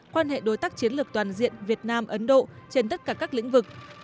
quan hệ đối tác chiến lược toàn diện việt nam ấn độ trên tất cả các lĩnh vực